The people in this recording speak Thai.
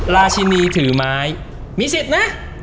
ราชินีถือไม้มีสิทธิ์นะ